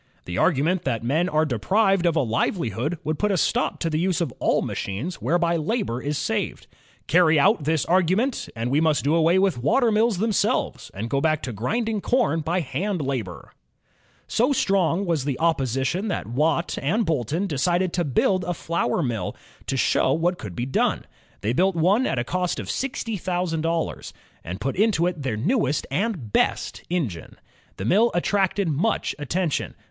The argument that men are deprived of a livelihood would put a stop to the use of all machines whereby labor is saved. Carry out this argu ment, and we must do away with water mills themselves, and go back again to grinding com by hand labor." So strong was the opposition that Watt and Boulton decided to build a flour mill, to show what could be done. They built one at a cost of sixty thousand dollars, and put into it their newest and best engine. The mill attracted much attention.